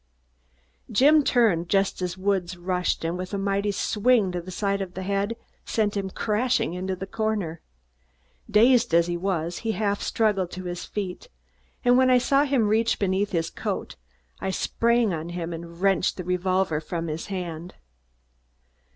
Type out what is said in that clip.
Jim turned just as Woods rushed and with a mighty swing to the side of the head, sent him crashing into the corner. Dazed as he was, he half struggled to his feet, and when I saw him reach beneath his coat, I sprang on him and wrenched the revolver from his hand.